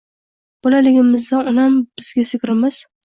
Bolaligimizda onam bizga sigirimiz